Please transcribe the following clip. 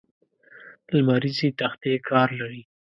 لمریزې تختې کار لري.